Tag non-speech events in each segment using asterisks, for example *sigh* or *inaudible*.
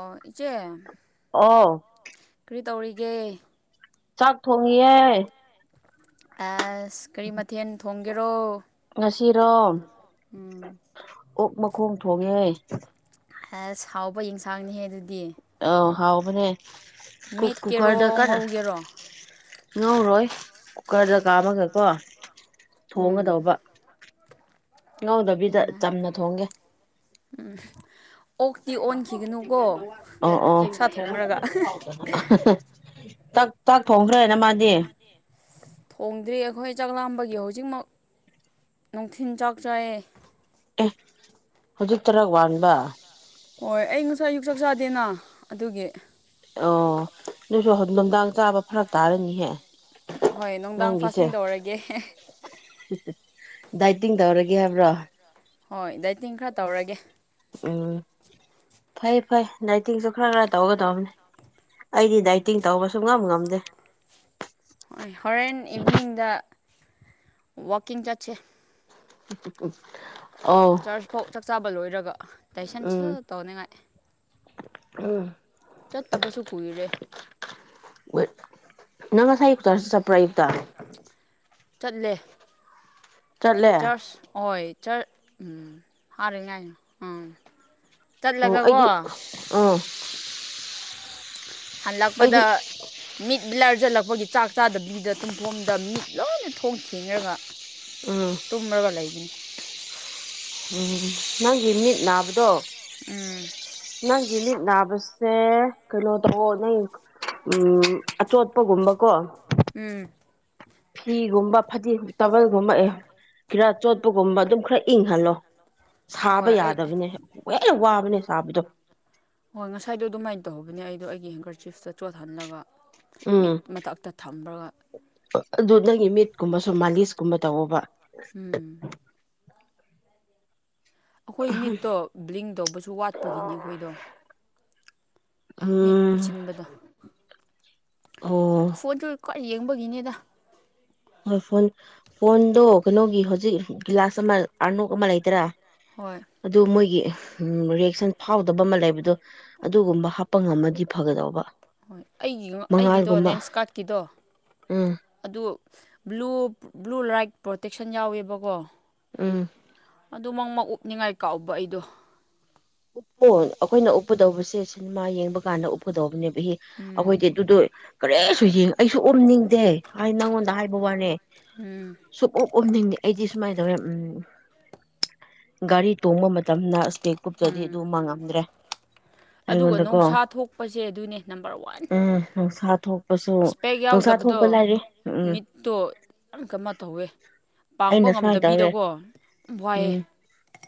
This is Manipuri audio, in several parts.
ꯑꯣ ꯏꯆꯦ ꯑꯣ ꯀ꯭ꯔꯤ ꯇꯧꯔꯤꯒꯦ ꯆꯥꯛ ꯊꯣꯡꯉꯤꯌꯦ ꯑꯁ ꯀꯔꯤ ꯃꯊꯦꯜ ꯊꯣꯡꯒꯦꯔꯣ ꯁꯤꯔꯣꯝ ꯎꯝ ꯑꯣꯛ ꯃꯈꯣꯡ ꯊꯣꯡꯉꯦ ꯑꯁ ꯍꯥꯎꯕ ꯏꯟꯁꯥꯡꯅꯤꯍꯦ ꯑꯗꯨ ꯑꯧ ꯍꯥꯎꯕꯅꯦ ꯀꯨꯛ ꯀꯨꯀꯔꯗ ꯃꯦꯠꯀꯦꯔꯣ ꯀꯟꯅ ꯉꯧꯒꯦꯔꯣ ꯉꯧꯔꯣꯏ ꯀꯨꯀꯔꯗ ꯀꯥꯝꯃꯒꯀꯣ ꯎꯝ ꯊꯣꯡꯒꯗꯧꯕ ꯉꯧꯗꯕꯤꯗ ꯐꯩ ꯃꯥꯅꯤ ꯆꯝꯅ ꯊꯣꯡꯒꯦ ꯑꯣꯛꯇꯤ ꯑꯣꯟꯈꯤꯒꯅꯨꯀꯣ ꯑꯧ ꯑꯧ ꯑꯣꯛꯁꯥ ꯊꯣꯡꯈ꯭ꯔꯒ *unintelligible* ꯆꯥꯛ ꯆꯥꯛ ꯊꯣꯡꯈ꯭ꯔꯦ ꯅꯃꯥꯗꯤ ꯊꯣꯡꯗ꯭ꯔꯤ ꯑꯈꯣꯏ ꯆꯥꯛꯂꯥꯝꯕꯒꯤ ꯍꯧꯖꯤꯛꯃꯛ ꯅꯨꯡꯊꯤꯟ ꯆꯥꯛ ꯆꯥꯏꯌꯦ ꯑꯦ ꯍꯨꯖꯤꯛ ꯆꯔꯥ ꯋꯥꯟꯕ ꯍꯣꯏ ꯑꯩ ꯉꯁꯥꯏ ꯑꯌꯨꯛ ꯆꯥꯛ ꯆꯥꯗꯦꯅ ꯑꯗꯨꯒꯤ ꯑꯣ ꯅꯣꯏꯁꯨ ꯍ ꯅꯨꯡꯗꯥꯡ ꯆꯥꯕ ꯐꯔꯛ ꯇꯥꯔꯅꯤꯍꯦ ꯍꯣꯏ ꯅꯨꯡꯗꯥꯡ ꯅꯪꯒꯤꯁꯦ ꯐꯥꯁꯇꯤꯡ ꯇꯧꯔꯒꯦ ꯗꯥꯏꯇꯤꯡ ꯇꯧꯔꯒꯦ ꯍꯥꯏꯕ꯭ꯔꯣ ꯍꯣꯏ ꯗꯥꯏꯇꯤꯡ ꯈ꯭ꯔ ꯇꯧꯔꯒꯦ ꯎꯝ ꯐꯩ ꯐꯩ ꯗꯥꯏꯇꯤꯡꯁꯨ ꯈ꯭ꯔ ꯈ꯭ꯔ ꯇꯧꯒꯗꯧꯕꯅꯦ ꯑꯩꯗꯤ ꯗꯥꯏꯇꯤꯡ ꯇꯧꯕ ꯁꯨꯡꯉꯝ ꯉꯝꯗꯦ ꯍꯣꯔꯦꯟ ꯏꯚꯤꯅꯤꯡꯗ ꯋꯥꯀꯤꯡ ꯆꯠꯁꯦ *inaudible* ꯆꯔꯁꯐꯧ ꯆꯥꯛ ꯆꯥꯥꯕ ꯂꯣꯏꯔꯒ ꯇꯥꯏꯁꯟꯁꯨ ꯎꯝ ꯇꯧꯅꯤꯉꯥꯏ ꯎꯝ ꯆꯠꯇꯕꯁꯨ ꯀꯨꯏꯔꯦ ꯅꯪ ꯉꯁꯥꯏ ꯆꯔꯁ ꯆꯠꯄ꯭ꯔꯥ ꯑꯌꯨꯛꯇ ꯆꯠꯂꯦ ꯆꯠꯂꯦ ꯆꯔꯁ ꯍꯣꯏ ꯆꯔ ꯎꯝ ꯍꯥꯔꯦ ꯉꯥꯏꯌꯣ ꯎꯝ ꯍꯣ ꯆꯠꯂꯒꯀꯣ ꯑꯩꯒꯤ ꯑꯥ ꯑꯩꯗꯤ ꯍꯜꯂꯛꯄꯗ ꯃꯤꯠ ꯕ꯭ꯂꯔ ꯆꯠꯂꯛꯄꯒꯤ ꯆꯥꯛ ꯆꯥꯗꯕꯤꯗ ꯇꯨꯝꯐꯣꯝꯗ ꯃꯤꯠ ꯂꯣꯏꯅ ꯊꯣꯡ ꯊꯤꯡꯔꯒ ꯎꯝ ꯇꯨꯝꯔꯒ ꯂꯩꯕꯅꯤ ꯎꯝ ꯅꯪꯒꯤ ꯃꯤꯠ ꯅꯥꯕꯗꯣ ꯎꯝ ꯅꯪꯒꯤ ꯃꯤꯠ ꯅꯥꯕꯁꯦ ꯀꯩꯅꯣ ꯇꯧꯑꯣ ꯅꯪ ꯎꯝ ꯑꯆꯣꯠꯄ ꯒꯨꯝꯕꯀꯣ ꯎꯝ ꯐꯤꯒꯨꯝꯕ ꯐꯗꯤ ꯇꯥꯋꯦꯜ ꯒꯨꯝꯕ ꯑꯦ ꯈꯤꯔꯥ ꯆꯣꯠꯄ ꯒꯨꯝꯕ ꯑꯗꯨꯝ ꯈ꯭ꯔ ꯏꯪꯍꯜꯂꯣ ꯁꯥꯕ ꯍꯣꯏ ꯑꯩ ꯌꯥꯗꯕꯅꯦ ꯍꯦꯟꯅ ꯋꯥꯕꯅꯦ ꯁꯥꯕꯗꯣ ꯍꯣ ꯉꯁꯥꯏꯗꯣ ꯑꯗꯨꯃꯥꯏꯅ ꯇꯧꯕꯅꯦ ꯑꯩꯗꯣ ꯑꯩꯒꯤ ꯍꯦꯡꯀꯔꯆꯤꯞꯇ ꯆꯣꯠꯍꯜꯂꯒ ꯃꯤꯠ ꯃꯊꯛꯇ ꯊꯝꯔꯒ ꯑꯗꯨꯗꯒꯤ ꯃꯤꯠꯀꯨꯝꯕꯁꯨ ꯃꯥꯂꯤꯁ ꯀꯨꯝꯕ ꯇꯧꯑꯣꯕ ꯎꯝ ꯑꯈꯣꯏ ꯃꯤꯠꯇꯣ ꯕ꯭ꯂꯤꯡ ꯇꯧꯕꯁꯨ ꯋꯥꯠꯄꯒꯤꯅꯦ ꯑꯈꯣꯏꯗꯣ ꯃꯤꯠ ꯎꯝ ꯀꯨꯞꯁꯤꯟꯕꯗꯣ ꯑꯣ ꯐꯣꯟꯁꯨ ꯈ꯭ꯋꯥꯏ ꯌꯦꯡꯕꯒꯤꯅꯦꯗ ꯍꯣꯏ ꯐꯣꯟ ꯐꯣꯟꯗꯣ ꯀꯩꯅꯣꯒꯤ ꯍꯧꯖꯤꯛ ꯒꯤꯂꯥꯁ ꯑꯃ ꯑꯅꯣꯛ ꯑꯃ ꯂꯩꯇ꯭ꯔꯥ ꯍꯣꯏ ꯑꯗꯨ ꯃꯣꯏꯒꯤ ꯔꯤꯌꯦꯛꯁꯟ ꯐꯥꯎꯗꯕ ꯑꯃ ꯂꯩꯕꯗꯣ ꯑꯗꯨꯒꯨꯝꯕ ꯍꯥꯞꯄ ꯉꯝꯃꯗꯤ ꯐꯒꯗꯧꯕ ꯍꯣꯏ ꯑꯩꯒꯤ ꯑꯩꯒꯤꯗꯣ ꯃꯉꯥꯜꯒꯨꯝꯕ ꯂꯦꯟꯁꯀꯥꯔꯠ ꯀꯤꯗꯣ ꯎꯝ ꯑꯗꯨ ꯕ꯭ꯂꯨ ꯕ꯭ꯂꯨ ꯔꯥꯏꯠ ꯄ꯭ꯔꯣꯇꯦꯛꯁꯟ ꯌꯥꯎꯋꯦꯕꯀꯣ ꯎꯝ ꯑꯗꯨ ꯃꯪꯃ ꯎꯞ ꯅꯤꯉꯥꯏ ꯀꯥꯎꯕ ꯑꯩꯗꯣ ꯎꯞꯄꯣ ꯑꯈꯣꯏꯅ ꯎꯞꯄꯗꯧꯕꯁꯦ ꯁꯤꯟꯃꯥ ꯌꯦꯡꯕ ꯀꯥꯟꯗ ꯎꯞꯀꯗꯧꯕꯅꯦ ꯎꯝ ꯑꯈꯣꯏꯗꯤ ꯑꯗꯨꯗꯣ ꯀꯔꯤꯁꯨ ꯌꯦꯡ ꯑꯩꯁꯨ ꯎꯞꯅꯤꯡꯗꯦ ꯍꯥꯏ ꯅꯪꯉꯣꯟꯗ ꯍꯥꯏꯕ ꯋꯥꯅꯦ ꯎꯝ ꯁꯨꯛꯎꯞ ꯎꯞꯅꯤꯡꯗꯦ ꯑꯩꯗꯤ ꯁꯨꯃꯥꯏ ꯇꯧꯔꯦ ꯎꯝ ꯒꯥꯔꯤ ꯇꯣꯡꯕ ꯃꯇꯝꯗ ꯁ꯭ꯄꯦꯛ ꯎꯞꯇ꯭ꯔꯗꯤ ꯎꯝ ꯑꯗꯨꯃ ꯉꯝꯗ꯭ꯔꯦ ꯑꯗꯨꯒ ꯑꯩꯉꯣꯟꯗꯀꯣ ꯅꯣꯡꯁꯥ ꯊꯣꯛꯄꯁꯦ ꯑꯗꯨꯅꯦ ꯅꯝꯕꯔ ꯋꯥꯟ ꯅꯣꯡꯁꯥ ꯊꯣꯛ ꯄꯁꯨ ꯏꯁꯄꯦꯛ ꯅꯣꯡꯁꯥ ꯌꯥꯎꯗꯕꯗꯣ ꯊꯣꯛꯄ ꯂꯥꯏꯔꯤ ꯎꯝ ꯃꯤꯠꯇꯣ ꯌꯥꯝ ꯀꯃꯥꯏ ꯇꯧꯋꯦ ꯄꯥꯡꯕ ꯑꯩꯅ ꯁꯨꯃꯥꯏꯅ ꯇꯧꯌꯦ ꯉꯝꯗꯕꯤꯗꯀꯣ ꯋꯥꯏꯑꯦ ꯎꯝ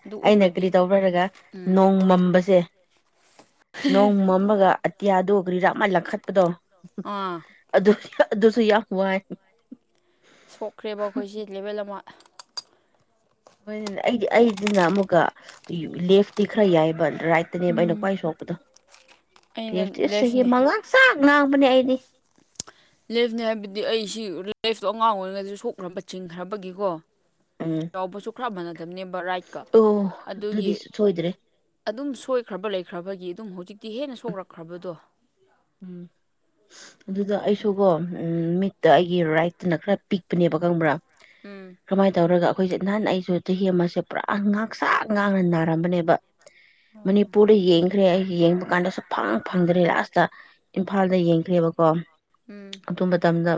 ꯑꯗꯨ ꯑꯩꯅ ꯎꯞꯂꯗꯤ ꯀ꯭ꯔꯤ ꯇꯧꯕ꯭ꯔꯥ ꯍꯥꯏꯔꯒ ꯎꯝ ꯅꯣꯡ ꯃꯝꯕꯁꯦ ꯅꯣꯡ ꯃꯝꯃꯒ ꯑꯇꯤꯌꯥꯗꯨ ꯀ꯭ꯔꯤꯔꯥ ꯑꯃ ꯂꯪꯈꯠꯄꯗꯣ ꯑꯥ ꯑꯗꯨ ꯑꯗꯨꯁꯨ ꯌꯥꯝ ꯋꯥꯏ ꯁꯣꯛꯈ꯭ꯔꯦꯕ ꯑꯈꯣꯏꯁꯤ ꯂꯦꯕꯦꯜ ꯑꯃ ꯍꯣꯏꯅꯦ ꯑꯩꯗꯤ ꯑꯩꯗꯤꯅ ꯑꯃꯨꯛꯀ ꯂꯦꯐꯇꯤ ꯈ꯭ꯔ ꯌꯥꯏꯌꯦꯕ ꯔꯥꯏꯠꯇꯅꯦꯕ ꯑꯩꯅ ꯈ꯭ꯋꯥꯏ ꯁꯣꯛꯄꯗꯣ ꯑꯩꯅ ꯂꯦꯐꯇꯤ ꯑꯁ ꯆꯍꯤ ꯂꯦꯐꯅꯦ ꯑꯃ ꯉꯥꯡꯁꯥꯡ ꯉꯥꯡꯕꯅꯦ ꯑꯩꯗꯤ ꯂꯦꯐꯅꯦ ꯍꯥꯏꯕꯗꯤ ꯑꯩ ꯁꯤ ꯂꯦꯐꯇꯣ ꯑꯉꯥꯡ ꯑꯣꯏꯔꯤꯉꯩꯗꯁꯨ ꯁꯣꯛꯈ꯭ꯔꯕ ꯆꯤꯡꯈ꯭ꯔꯕꯒꯤꯀꯣ ꯎꯝ ꯆꯥꯎꯕꯁꯨ ꯈ꯭ꯔ ꯃꯥꯟꯅꯗꯕꯅꯦꯕ ꯔꯥꯏꯠꯀ ꯑꯣ ꯑꯗꯨꯒꯤ ꯑꯗꯨꯗꯤ ꯁꯣꯏꯗ꯭ꯔꯦ ꯑꯗꯨꯝ ꯁꯣꯏꯈ꯭ꯔꯕ ꯂꯩꯈ꯭ꯔꯕꯒꯤ ꯑꯗꯨꯝ ꯍꯨꯖꯤꯛꯇꯤ ꯍꯦꯟꯅ ꯁꯣꯛꯂꯛꯈ꯭ꯔꯕꯗꯣ ꯎꯝ ꯑꯗꯨꯗ ꯇꯧꯕꯅꯦ ꯑꯩꯁꯨꯀꯣ ꯎꯝ ꯃꯤꯠ ꯇ ꯑꯩꯒꯤ ꯔꯥꯏꯠꯇꯅ ꯈ꯭ꯔ ꯄꯤꯛꯄꯅꯦꯕ ꯈꯪꯕ꯭ꯔꯥ ꯎꯝ ꯀ꯭ꯔꯃꯥꯏ ꯇꯧꯔꯒ ꯑꯩꯈꯣꯏꯁꯦ ꯅꯍꯥꯟ ꯑꯩꯁꯨ ꯆꯍꯤ ꯑꯃꯁꯦ ꯄꯨꯔꯥ ꯉꯥꯡꯁꯥꯡ ꯉꯥꯡꯔ ꯅꯥꯔꯝꯕꯅꯦꯕ ꯃꯅꯤꯄꯨꯔꯗ ꯌꯦꯡꯈ꯭ꯔꯦ ꯑꯩꯒꯤ ꯌꯦꯡꯕ ꯀꯥꯟꯗꯁꯨ ꯁꯨꯛꯐꯪ ꯐꯪꯗ꯭ꯔꯦ ꯂꯥꯁ ꯏꯝꯐꯥꯜꯗ ꯌꯦꯡꯈ꯭ꯔꯦꯕꯀꯣ ꯎꯝ ꯑꯗꯨ ꯃꯇꯝꯗ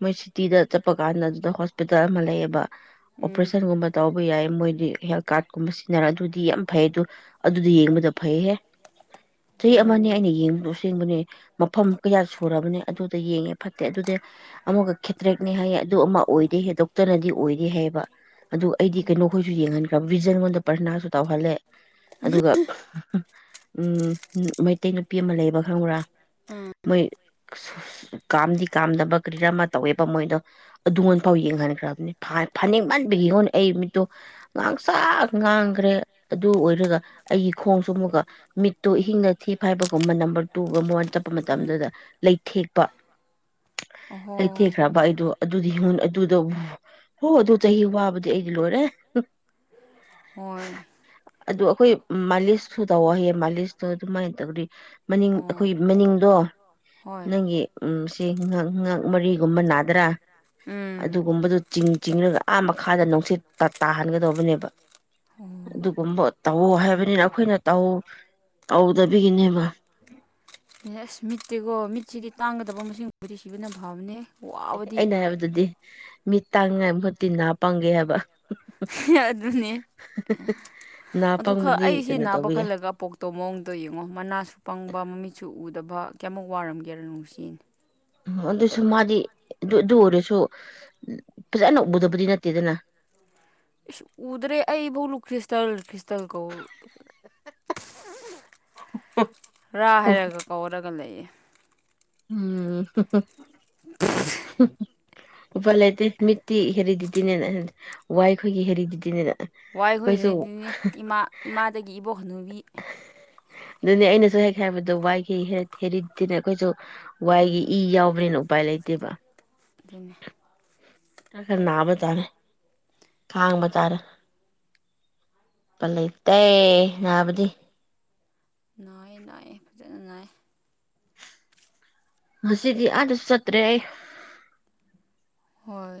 ꯃꯣꯏ ꯁꯤꯇꯤꯗ ꯆꯠꯄ ꯀꯥꯟꯗ ꯑꯗꯨꯗ ꯍꯣꯁꯄꯤꯇꯥꯜ ꯑꯃ ꯂꯩꯌꯦꯕ ꯎꯝ ꯑꯣꯄ꯭ꯔꯦꯁꯟꯒꯨꯝꯕ ꯇꯧ ꯕꯌꯥꯏ ꯃꯣꯏꯗꯤ ꯍꯦꯜ ꯀꯥꯔꯠꯀꯨꯝꯕꯁꯤ ꯁꯤꯅꯔꯗꯨꯗꯤ ꯌꯥꯝ ꯐꯩꯌꯦ ꯑꯗꯨ ꯑꯗꯨꯗꯤ ꯌꯦꯡꯕꯗ ꯐꯩꯍꯦ ꯆꯍꯤ ꯑꯃꯅꯦ ꯑꯩꯅ ꯌꯦꯡꯕꯗꯣ ꯑꯁꯦꯡꯕꯅꯦ ꯃꯐꯝ ꯀꯌꯥ ꯁꯨꯔꯕꯅꯦ ꯑꯗꯨꯗ ꯌꯦꯡꯉꯦ ꯐꯠꯇꯦ ꯑꯗꯨꯗ ꯑꯃꯨꯛꯀ ꯈꯦꯇ꯭ꯔꯦꯛꯅꯦ ꯍꯥꯏꯌꯦ ꯑꯗꯨ ꯑꯃꯛ ꯑꯣꯏꯗꯦ ꯗꯣꯛꯇꯔꯅꯗꯤ ꯑꯣꯏꯗꯦ ꯍꯩꯌꯦꯕ ꯑꯗꯨ ꯑꯩꯗꯤ ꯀꯩꯅꯣꯈꯣꯏꯁꯨ ꯌꯦꯡꯍꯟꯈ꯭ꯔꯝ ꯚꯤꯖꯟꯉꯣꯟꯗ ꯄꯔꯊꯅꯁꯨ ꯇꯧꯍꯟ ꯄꯜꯂꯦ ꯑꯗꯨꯒ *unintelligible* ꯎꯝ ꯃꯩꯇꯩ ꯅꯨꯄꯤ ꯑꯃ ꯂꯩꯕ ꯈꯪꯕ꯭ꯔꯥ ꯎꯝ ꯎꯝ ꯃꯣꯏ *unintelligible* ꯀꯥꯝꯗꯤ ꯆꯥꯝꯗꯕ ꯀꯔꯤꯔ ꯑꯃ ꯇꯧꯋꯦꯕ ꯃꯣꯏꯗꯣ ꯎꯝ ꯑꯗꯨꯉꯣꯟꯐꯥꯎ ꯌꯦꯡꯍꯟꯈ꯭ꯔꯝꯅꯤ ꯐꯅꯤꯡꯃꯟꯕꯒꯤꯉꯣꯟ ꯑꯩ ꯃꯤꯠꯇꯣ ꯉꯥꯡꯁꯪ ꯉꯥꯡꯒ꯭ꯔꯦ ꯑꯗꯨ ꯑꯣꯏꯔꯒ ꯑꯩꯒꯤ ꯈꯣꯡꯁꯨ ꯑꯃꯨꯛꯀ ꯃꯤꯠ ꯇꯨ ꯏꯍꯤꯡꯗ ꯊꯤ ꯐꯥꯏꯕꯒꯨꯝꯕ ꯅꯝꯕꯔ ꯍꯣꯔꯃꯣꯟ ꯆꯠꯄ ꯎꯝ ꯃꯇꯝꯗꯨꯗ ꯂꯩꯊꯦꯛꯄ ꯑꯣꯍꯣ ꯂꯩꯊꯦꯛꯈ꯭ꯔꯕ ꯑꯩꯗꯣ ꯑꯗꯨꯗꯤ ꯈꯪ ꯑꯗꯨ ꯑꯗꯨ ꯍꯣ ꯑꯗꯨ ꯆꯍꯤ ꯋꯥꯕꯗꯤ ꯑꯩ ꯂꯣꯏꯔꯦ ꯍꯣꯏ ꯑꯗꯨ ꯑꯈꯣꯏ ꯃꯥꯂꯤꯁꯁꯨ ꯇꯧꯋꯣ ꯍꯥꯏꯌꯦ ꯃꯥꯂꯤꯁꯇꯣ ꯑꯗꯨꯃꯥꯏ ꯇꯧꯗ꯭ꯔꯤ ꯃꯅꯤꯡ ꯑꯣ ꯑꯩꯈꯣꯏ ꯃꯅꯤꯡꯗꯣ ꯍꯣꯏ ꯅꯪꯒꯤ ꯎꯝ ꯁꯤ ꯉꯛ ꯉꯛ ꯃꯔꯤꯒꯨꯝꯕ ꯅꯥ ꯗ꯭ꯔ ꯎꯝ ꯑꯗꯨꯒꯨꯝꯕꯗꯨ ꯆꯤꯡ ꯆꯤꯡꯔꯒ ꯑꯥ ꯃꯈꯥꯗ ꯅꯨꯡꯁꯤꯠ ꯇ ꯇꯥꯍꯟꯒꯗꯧꯕꯅꯦꯕ ꯑꯗꯨꯒꯨꯝꯕ ꯇꯧꯑꯣ ꯍꯥꯏꯕꯅꯤꯅ ꯑꯩꯈꯣꯏꯅ ꯇꯧ ꯇꯧꯗꯕꯤꯒꯤꯅꯦꯕ ꯑꯁ ꯃꯤꯠꯇꯤꯀꯣ ꯃꯤꯠꯁꯤꯗꯤ ꯇꯥꯡꯒꯗꯕ ꯃꯁꯤꯡꯕꯨꯗꯤ ꯁꯤꯕꯅ ꯐꯕꯅꯦꯍꯦ ꯑꯩꯅ ꯍꯥꯏꯕꯗꯨꯗꯤ ꯃꯤꯠ ꯇꯥꯡꯅꯤꯡꯉꯥꯏ ꯚꯨꯠꯀꯤ ꯅꯥ ꯄꯪꯒꯦ ꯍꯥꯏꯕ *unintelligible* ꯑꯗꯨꯅꯦ ꯅꯥ ꯑꯗꯨ ꯈꯛ ꯄꯪꯕꯗꯤ ꯑꯩꯁꯦ ꯀꯩꯅꯣ ꯅꯥꯕ ꯇꯧꯕ ꯌꯥꯏ ꯈꯜꯂꯒ ꯄꯣꯛꯇꯣ ꯃꯑꯣꯡꯗꯣ ꯌꯦꯡꯉꯣ ꯃꯅꯥꯁꯨ ꯄꯪꯕ ꯃꯃꯤꯠꯁꯨ ꯎꯗꯕ ꯀꯌꯥꯃꯨꯛ ꯋꯥꯔꯝꯒꯦꯔ ꯅꯨꯡꯁꯤ ꯑꯗꯨꯁꯨ ꯃꯥꯗꯤ ꯑꯗꯨ ꯑꯗꯨ ꯑꯣꯏꯔꯁꯨ ꯐꯖꯟꯅ ꯎꯗꯕꯗꯤ ꯅꯠꯇꯦꯗꯅ *inaudible* ꯏꯁ ꯎꯗ꯭ꯔꯦ ꯑꯩꯕꯨꯛ ꯂꯨ ꯈ꯭ꯔꯤꯁꯇꯜ ꯈ꯭ꯔꯤꯁꯇꯜ ꯀꯧ ꯔꯥ ꯍꯥꯏꯔꯒ ꯀꯧꯔꯒ ꯂꯩꯌꯦ ꯎꯝ *unintelligible* ꯎꯄꯥꯏ ꯂꯩꯇꯦ ꯃꯤꯠꯇꯤ ꯍꯦꯔꯤꯗꯤꯇꯤꯅꯦꯅ ꯋꯥꯏꯈꯣꯏꯒꯤ ꯍꯦꯔꯤꯗꯤꯇꯤꯅꯦꯅ ꯋꯥꯏ ꯍꯣꯏꯒꯤ ꯑꯩꯈꯣꯏꯁꯨ ꯍꯦꯔꯤꯗꯤꯅꯦ ꯏꯃꯥ ꯏꯃꯥꯗꯒꯤ ꯏꯕꯣꯛ ꯍꯅꯨꯕꯤ ꯗꯨꯅꯦ ꯑꯩꯅꯁꯨ ꯍꯦꯛ ꯍꯥꯏꯕꯗꯣ ꯋꯥꯏꯒꯤ ꯍꯦꯔꯤꯗꯤꯇꯤꯅꯦ ꯑꯩꯈꯣꯏꯁꯨ ꯋꯥꯏꯒꯤ ꯏ ꯌꯥꯎꯕꯅꯤꯅ ꯎꯄꯥꯏ ꯂꯩꯇꯦꯕ ꯑꯗꯨꯅꯦ ꯀꯟꯅ ꯅꯥꯕ ꯖꯥꯠꯅꯦ ꯈꯥꯡꯕ ꯇꯥꯔꯦ ꯎꯄꯥꯏ ꯂꯩꯇꯦ ꯅꯥꯕꯗꯤ ꯅꯥꯥꯏꯌꯦ ꯅꯥꯏꯌꯦ ꯐꯖꯟꯅ ꯅꯥꯏ ꯉꯁꯤꯗꯤ ꯑꯗꯁꯨ ꯆꯠꯇ꯭ꯔꯦ ꯑꯩ ꯍꯣꯏ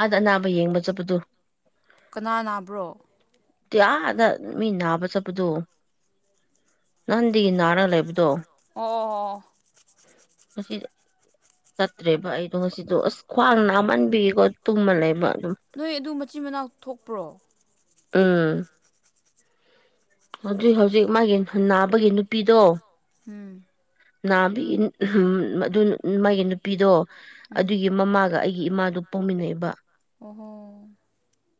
ꯑꯥꯗ ꯑꯅꯥꯕ ꯌꯦꯡꯕ ꯆꯠꯄꯗꯨ ꯀꯅꯥ ꯅꯥꯕ꯭ꯔꯣ ꯇꯤꯑꯥꯗ ꯃꯤ ꯅꯥꯕ ꯆꯠꯄꯗꯣ ꯅꯍꯟꯗꯒꯤ ꯅꯔꯥ ꯂꯩꯕꯗꯣ ꯑꯣ ꯑꯣ ꯑꯣꯑꯣ ꯉꯁꯤꯗꯣ ꯆꯠꯇ꯭ꯔꯦꯕ ꯑꯩꯗꯣ ꯉꯁꯤꯗꯣ ꯑꯁ ꯈ꯭ꯋꯥꯡ ꯅꯥꯃꯟꯕꯤꯀꯣ ꯇꯨꯝꯃꯒ ꯂꯩꯕ ꯑꯗꯨꯝ ꯅꯣꯏ ꯑꯗꯨ ꯃꯆꯤꯟ ꯃꯅꯥꯎ ꯊꯣꯛꯄ꯭ꯔꯣ ꯎꯝ ꯑꯗꯨꯏ ꯍꯧꯖꯤꯛ ꯃꯥꯒꯤ ꯅꯍꯟ ꯅꯥꯕꯒꯤ ꯅꯨꯄꯤꯗꯣ ꯎꯝ ꯅꯥꯕꯤꯟ ꯍꯝ ꯃꯗꯨ ꯃꯥꯒꯤ ꯅꯨꯄꯤꯗꯣ ꯎꯝ ꯑꯗꯨꯒꯤ ꯃꯃꯥꯒ ꯑꯩ ꯒꯤ ꯏꯃꯥꯗꯨ ꯄꯣꯛꯃꯤꯟꯅꯩꯕ ꯑꯣ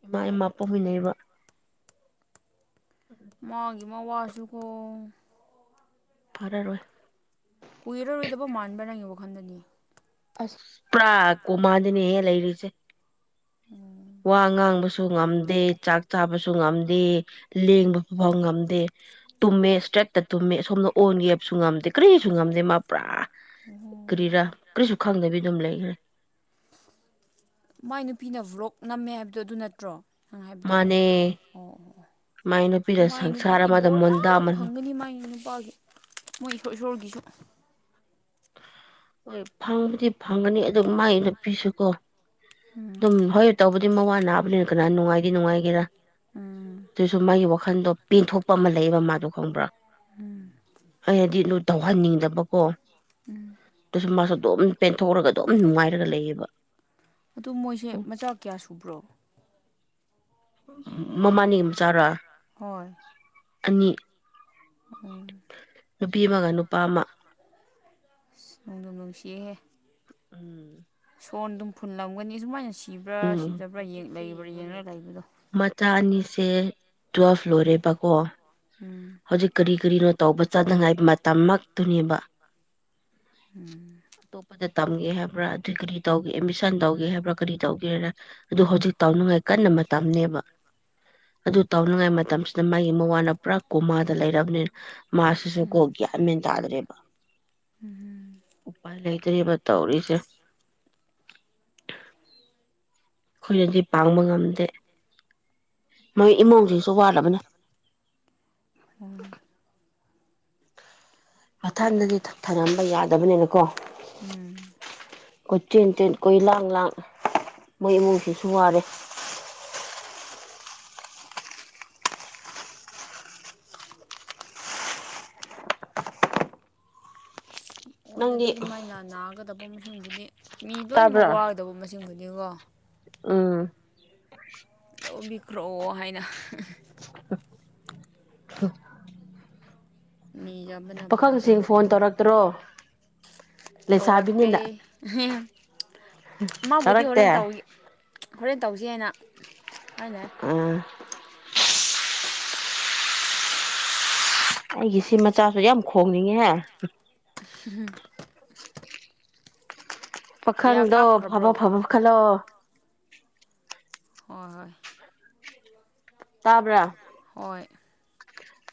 ꯏꯃꯥ ꯏꯃꯥ ꯄꯨꯣꯛꯃꯤꯟꯅꯩꯕ ꯃꯥꯒꯤ ꯃꯥꯋꯥ ꯁꯨꯨꯀꯣ ꯐꯔꯔꯣꯏ ꯀꯨꯏꯔꯔꯣꯏꯗꯕ ꯃꯥꯟꯕ꯭ꯔ ꯅꯪꯒꯤ ꯋꯥꯈꯜꯗꯅꯤ ꯑꯁ ꯄꯨꯔꯥ ꯀꯣꯃꯥꯗꯅꯦꯍꯧ ꯂꯩꯔꯤꯁꯦ *inaudible* ꯋꯥ ꯉꯥꯡꯕꯁꯨ ꯉꯝꯗꯦ ꯆꯥꯛ ꯆꯥꯕꯁꯨ ꯉꯝꯗꯦ ꯂꯦꯡꯕ ꯐꯥꯎ ꯉꯝꯗꯦ ꯇꯨꯝꯃꯦ ꯏꯁꯇ꯭ꯔꯦꯠꯇ ꯇꯨꯝꯃꯦ ꯁꯣꯝꯗ ꯑꯣꯟꯒꯦ ꯍꯥꯏꯕꯁꯨ ꯉꯝꯗꯦ ꯀꯔꯤꯁꯨ ꯉꯝꯗꯦ ꯑꯗꯩ ꯃꯥ ꯄꯨꯔꯥ ꯀꯔꯤꯔꯥ ꯀꯔꯤꯁꯨ ꯈꯪꯗꯕꯤ ꯑꯗꯨꯝ ꯂꯩꯈ꯭ꯔꯦ ꯃꯥꯏ ꯅꯨꯄꯤꯅ ꯕ꯭ꯂꯣꯛ ꯅꯝꯃꯦ ꯍꯥꯏꯕꯗꯣ ꯑꯗꯨ ꯅꯠꯇ꯭ꯔꯣ ꯅꯪ ꯍꯥꯏꯕꯗꯣ ꯃꯥꯅꯦ ꯑꯣ ꯃꯥꯏ ꯑꯣ ꯅꯨꯄꯤꯅ ꯃꯥꯏ ꯅꯨꯄꯤꯗꯤ ꯁꯪꯁꯥꯔ ꯑꯃꯗ ꯕꯣꯔ ꯌꯥꯝ ꯃꯣꯟꯗꯥꯃꯟ ꯐꯪꯒꯅꯤ ꯃꯥꯏ ꯅꯨꯄꯥꯗꯤ ꯃꯣꯏ ꯏꯁꯣꯔ ꯏꯁꯣꯔꯒꯤꯁꯨ ꯍꯣꯏ ꯐꯪꯕꯨꯗꯤ ꯐꯪꯒꯅꯤ ꯑꯗꯨ ꯃꯥꯏ ꯅꯨꯄꯤꯁꯨꯀꯣ ꯑꯗꯨꯝ ꯍꯣꯏ ꯇꯧꯕꯗꯤ ꯃꯋꯥ ꯅꯥꯕꯅꯤꯅ ꯀꯅꯥ ꯅꯨꯡꯉꯥꯏꯗꯤ ꯅꯨꯡꯉꯥꯏꯒꯦꯔꯥ ꯑꯗꯨꯏꯁꯨ ꯃꯥꯒꯤ ꯋꯥꯈꯟꯗꯣ ꯄꯦꯟꯊꯣꯛꯄ ꯑꯃ ꯂꯩꯌꯦꯕ ꯃꯥꯗꯣ ꯈꯪꯕ꯭ꯔꯥ ꯑꯩꯅꯗꯤ ꯂꯨ ꯇꯧꯍꯟꯅꯤꯡꯗꯕꯀꯣ ꯑꯗꯨꯁꯨ ꯃꯥꯁꯨ ꯑꯗꯨꯝ ꯄꯦꯟꯊꯣꯛꯔꯒ ꯑꯗꯨꯝ ꯅꯨꯡꯉꯥꯏꯔꯒ ꯂꯩꯌꯦꯕ ꯑꯗꯨ ꯃꯣꯏꯁꯦ ꯃꯆꯥ ꯀꯌꯥ ꯁꯨꯕ꯭ꯔꯣ ꯃꯃꯥꯅꯤ ꯃꯆꯥꯔꯥ ꯍꯣꯏ ꯑꯅꯤ ꯎꯝ ꯅꯨꯄꯤ ꯑꯃꯒ ꯅꯨꯄꯥ ꯑꯃ ꯑꯁ ꯅꯨꯡꯗꯨꯝ ꯅꯨꯡꯁꯤꯍꯦ ꯎꯝ ꯐꯣꯟꯗꯨꯝ ꯐꯨꯟꯂꯝꯒꯅꯤ ꯏꯁꯨꯃꯥꯏꯅꯁꯤ ꯎꯝ ꯍꯧꯖꯤꯛꯁꯦ ꯌꯦꯡꯉꯨꯅꯦ ꯂꯩꯕꯗꯣ ꯃꯆꯥ ꯑꯅꯤꯁꯦ ꯁꯦ ꯇꯨꯋꯦꯜ ꯂꯣꯏꯔꯦꯕꯀꯣ ꯎꯝ ꯍꯧꯖꯤꯛ ꯀꯔꯤ ꯀꯔꯤꯅꯣ ꯇꯧꯕ ꯆꯠꯅꯉꯥꯏ ꯃꯇꯝꯃꯛꯇꯨꯅꯦꯕ ꯑꯇꯣꯞꯄꯗ ꯇꯝꯒꯦ ꯍꯥꯏꯕ꯭ꯔꯥ ꯑꯗꯨꯏ ꯀꯔꯤ ꯇꯧꯒꯦ ꯑꯦꯗꯃꯤꯁꯟ ꯇꯧꯒꯦ ꯍꯥꯏꯕ꯭ꯔꯥ ꯀꯔꯤ ꯇꯧꯒꯦꯔ ꯑꯗꯨ ꯍꯧꯖꯤꯛ ꯇꯥꯎꯅꯉꯥꯏ ꯀꯟꯅ ꯃꯇꯝꯅꯦꯕ ꯑꯗꯨ ꯇꯧꯅꯤꯡꯉꯥꯏ ꯃꯇꯝꯁꯤꯗ ꯃꯥꯒꯤ ꯃꯋꯥꯅ ꯄꯨꯔꯥ ꯀꯨꯃꯥ ꯂꯩꯔꯕꯅꯤꯅ ꯃꯥꯁꯤꯁꯨ ꯀꯣ ꯒ꯭ꯌꯥꯟ ꯃꯦꯟ ꯇꯥꯗ꯭ꯔꯦꯕ ꯎꯄꯥꯏ ꯂꯩꯇꯔꯦꯕ ꯇꯧꯔꯤꯁꯦ ꯈꯣꯏꯅꯗꯤ ꯄꯥꯡꯕ ꯉꯝꯗꯦ ꯃꯣꯏ ꯏꯃꯨꯡꯁꯤꯁꯨ ꯋꯥꯠꯂꯕꯅꯦ ꯎꯝ ꯃꯊꯟꯗꯗꯤ ꯊ ꯊꯝꯔꯝꯕ ꯌꯥꯗꯕꯅꯤꯅꯀꯣ ꯎꯝ ꯀꯣꯏ ꯆꯦꯟ ꯆꯦꯟ ꯀꯣꯏ ꯂꯥꯡ ꯂꯥꯡ ꯃꯣꯏ ꯏꯃꯨꯡꯁꯤꯁꯨ ꯋꯥꯔꯦ *unintelligible* ꯃꯣꯏꯅ ꯅꯪꯗꯤ ꯑꯗꯨꯃꯥꯏꯅ ꯅ ꯅꯥꯒꯗꯕ ꯃꯁꯤꯡꯕꯨꯗꯤ ꯃꯤ ꯂꯣꯏꯅꯃꯛ ꯇꯥꯕ꯭ꯔꯥ ꯋꯥꯒꯗꯕ ꯃꯁꯤꯡꯕꯨꯗꯤꯀꯣ ꯑ *unintelligible* ꯍꯥꯏꯅ ꯅꯤꯖꯕꯅ *unintelligible* ꯐꯩ ꯄꯥꯈꯪꯁꯤꯡ ꯐꯣꯟ ꯇꯧꯔꯛꯇ꯭ꯔꯣ ꯇꯧꯔꯛꯇꯦ ꯂꯩꯁꯥꯕꯤꯅꯤꯅ ꯍꯦꯍꯦ ꯃꯥꯕꯨꯗꯤ ꯇꯧꯔꯛꯇꯦ ꯍꯣꯔꯦꯟ ꯇꯧꯒꯤ ꯍꯣꯔꯦꯟ ꯇꯧꯖꯤ ꯍꯥꯏꯅ ꯍꯥꯏꯅꯩ ꯎꯝ ꯑꯩꯒꯤ ꯁꯤ ꯃꯆꯥꯁꯨ ꯌꯥꯝ ꯈꯣꯡꯅꯤꯡꯉꯦꯍꯦ ꯎꯝ ꯀꯌꯥ ꯄꯥꯈꯪꯗꯣ ꯀꯥꯞꯈ꯭ꯔꯕ꯭ꯔꯣ ꯐꯕ ꯐꯕ ꯈꯜꯂꯣ ꯍꯣꯏ ꯍꯣꯏ ꯇꯥꯕ꯭ꯔꯥ ꯍꯣꯏ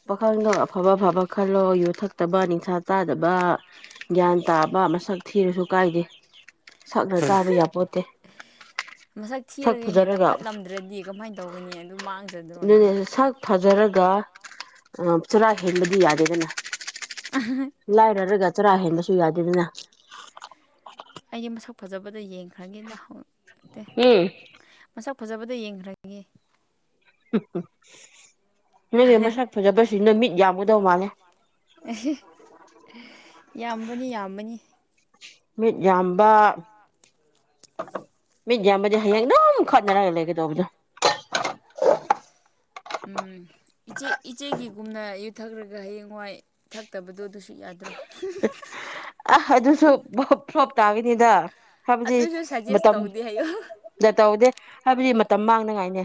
ꯄꯥꯈꯪꯗꯣ ꯑꯐꯕ ꯑꯐꯕ ꯈꯜꯂꯣ ꯌꯨꯊꯛꯇꯕ ꯅꯤꯡꯁꯥ ꯆꯥꯗꯕ ꯒ꯭ꯌꯥꯟ ꯇꯥꯕ ꯅꯨꯄꯥ ꯃꯁꯛ ꯊꯤꯔꯨꯁꯨ ꯀꯥꯏꯗꯦ ꯁꯛꯅ ꯆꯥꯕ ꯌꯥꯄꯣꯠꯇꯦ ꯃꯁꯛ ꯁꯛ ꯊꯤꯔꯒ ꯍꯦꯟꯅ ꯐꯖꯔꯒ ꯐꯠꯂꯝꯗ꯭ꯔꯗꯤ ꯀꯃꯥꯏꯅ ꯇꯧꯒꯅꯤ ꯑꯗꯨ ꯃꯥꯡ ꯑꯗꯨꯅꯦ ꯁꯛ ꯐꯖꯔꯒ ꯆꯥꯔ ꯍꯦꯟꯕꯗꯤ ꯌꯥꯗꯦꯗꯅ ꯂꯥꯏꯔꯔꯒ ꯆꯥꯔ ꯍꯦꯟꯕꯁꯨ ꯌꯥꯗꯦꯗꯅ ꯑꯩꯗꯤ ꯃꯁꯛ ꯐꯖꯕꯗ ꯌꯦꯡꯈ꯭ꯔꯅꯤꯅ ꯎꯝ ꯐꯖꯕꯗ ꯌꯦꯡꯈ꯭ꯔꯒꯦ *inaudible* ꯅꯪꯒꯤ ꯃꯁꯛ ꯐꯖꯕꯁꯤꯡꯗꯣ ꯃꯤꯠ ꯌꯥꯝꯒꯗꯧ ꯃꯥꯜꯂꯦ ꯌꯥꯝꯕꯅꯤ ꯌꯥꯝꯕꯅꯤ ꯃꯤꯠ ꯌꯥꯝꯕ ꯃꯤꯠꯖꯥꯝꯕꯗꯤ ꯍꯌꯦꯡ ꯑꯗꯨꯝ ꯈꯠꯅꯔꯒ ꯂꯩꯒꯗꯧꯕꯗꯣ *inaudible* ꯎꯝ ꯏꯆꯦ ꯏꯆꯦꯒꯤꯒꯨꯝꯅ ꯌꯨ ꯊꯛꯔꯒ ꯍꯌꯦꯡꯋꯥꯏ ꯊꯛꯇꯕꯗꯣ ꯑꯗꯨꯁꯨ ꯌꯥ *inaudible* ꯑ ꯑꯗꯨꯁꯨ ꯕ ꯐ꯭ꯂꯣꯞ ꯇꯥꯒꯅꯤꯗ ꯍꯥꯏꯕꯗꯤ ꯑꯗꯨꯁꯨ ꯁꯖꯦꯁ ꯃꯇꯝ ꯇꯧꯗꯦ ꯍꯥꯏꯌꯣ ꯗꯇꯧꯗꯦ ꯍꯥꯏꯕꯗꯤ ꯃ ꯇꯝ ꯃꯥꯡꯅꯉꯥꯏꯅꯦ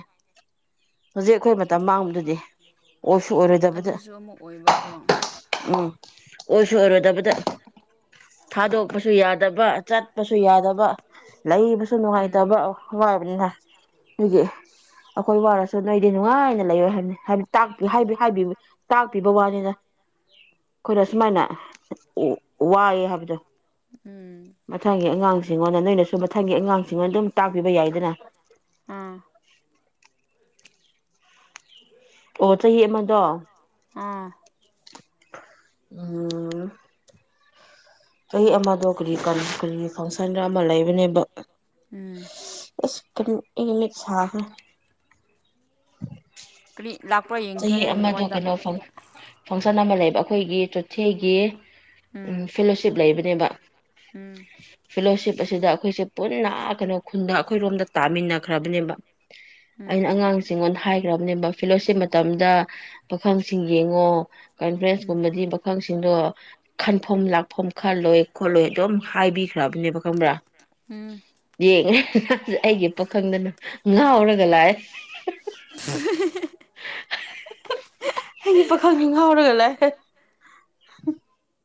ꯍꯧꯖꯤꯛ ꯑꯈꯣꯏ ꯃꯇꯝ ꯃꯥꯡꯕꯗꯨꯗꯤ ꯑꯣꯏꯁꯨ ꯑꯣꯏꯔꯣꯏꯗꯕꯗ ꯑꯗꯨꯁꯨ ꯑꯃꯨꯛ ꯑꯣꯏꯕꯀꯣ ꯎꯝ ꯑꯣꯏꯁꯨ ꯑꯣꯏꯔꯣꯏꯗꯕꯗ ꯊꯥꯗꯣꯛꯄꯁꯨ ꯌꯥꯗꯕ ꯆꯠꯄꯁꯨ ꯌꯥꯗꯕ ꯂꯩꯕꯁꯨ ꯎꯝ ꯅꯨꯡꯉꯥꯏꯇꯕ ꯑꯣ ꯍꯋꯥꯥꯏꯕꯅꯤꯅ ꯗꯨꯒꯤ ꯑꯈꯣꯏ ꯋꯥꯔꯁꯨ ꯅꯣꯏꯗꯤ ꯅꯨꯡꯉꯥꯏ ꯂꯩꯌꯣ ꯍꯥꯏꯕꯅꯦ ꯇꯥꯛꯄꯤ ꯍꯥꯏꯕꯤ ꯍꯥꯏꯕꯤ ꯇꯥꯛꯄꯤꯕ ꯋꯥꯅꯤꯗ ꯑꯈꯣꯏꯅ ꯁꯨꯃꯥꯏꯅ ꯋꯥꯏꯌꯦ ꯍꯥꯏꯕꯗꯣ ꯎꯝ ꯃꯊꯪꯒꯤ ꯑꯉꯥꯡꯁꯤꯡꯉꯣꯅ ꯅꯣꯏꯅꯁꯨ ꯃꯊꯪꯒꯤ ꯑꯉꯥꯡꯁꯤꯡꯉꯣꯟꯗ ꯑꯗꯨꯝ ꯇꯥꯛꯄꯤꯕ ꯌꯥꯏꯗꯅ *inaudible* *inaudible* ꯑꯣ ꯆꯍꯤ ꯑꯃꯗꯣ ꯑꯥ ꯎꯝ ꯆꯍꯤ ꯑꯃꯗꯣ ꯀꯔꯤ ꯀꯔꯤ ꯀꯔꯤ ꯐꯪꯁꯟꯔ ꯑꯃ ꯂꯩꯕꯅꯦꯕ ꯎꯝ ꯏꯁ ꯀꯔꯤ ꯑꯩꯒꯤ ꯃꯤꯠ ꯁꯥꯈ꯭ꯔꯦ ꯀꯔꯤ ꯂꯥꯛꯄ꯭ꯔꯥ ꯌꯦꯡꯈꯣ ꯆꯍꯤ ꯅꯪꯒꯤ ꯑꯃꯗꯣ ꯐꯣꯟꯗ ꯀꯩꯅꯣ ꯐꯪ ꯁꯟ ꯑꯃ ꯂꯩꯕ ꯑꯈꯣꯏꯒꯤ ꯆꯣꯊꯦꯒꯤ ꯎꯝ ꯐꯦꯂꯣꯁꯤꯞ ꯂꯩꯕꯅꯦꯕ ꯎꯝ ꯐꯤꯂꯣꯁꯤꯞ ꯑꯁꯤꯗ ꯑꯈꯣꯏꯁꯦ ꯄꯨꯟꯅ ꯀꯩꯅꯣ ꯈꯨꯟꯗ ꯑꯈꯣꯏꯔꯣꯝꯗ ꯇꯥꯃꯤꯟꯅꯈ꯭ꯔꯕꯅꯦꯕ ꯎꯝ ꯑꯩꯅ ꯑꯉꯥꯡꯁꯤꯡꯉꯣꯟꯗ ꯍꯥꯏ *unintelligible* ꯐꯤꯂꯣꯁꯤꯞ ꯃꯇꯝꯗ ꯄꯥꯈꯪꯁꯤꯡ ꯌꯦꯡꯉꯣ ꯀꯟꯐ꯭ꯔꯦꯟꯁ ꯎꯝ ꯀꯨꯝꯕꯗꯤ ꯄꯥꯈꯪꯁꯤꯡ ꯁꯤꯡꯗꯣ ꯈꯟꯐꯝ ꯂꯥꯛꯐꯝ ꯈꯜꯂꯣꯏ ꯈꯣꯠꯂꯣꯏ ꯑꯗꯨꯝ ꯍꯥꯏꯕꯤꯈ꯭ꯔꯕꯅꯦꯕ ꯈꯪꯕ꯭ꯔꯥ ꯎꯝ ꯌꯦꯡꯉꯦ ꯑꯩꯒꯤ ꯄꯥꯈꯪꯗꯅ ꯉꯥꯎꯔꯒ ꯂꯥꯛꯑꯦ ꯑꯩꯒꯤ ꯄꯥꯈꯪ ꯌꯨ ꯑꯥꯎꯔꯒ ꯂꯥꯛꯑꯦ *inaudible*